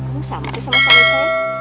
lu sama sih sama suami saya